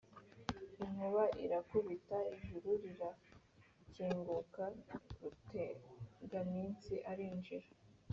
inkuba irakubita, ijuru rirakinguka rutegaminsi arinjira.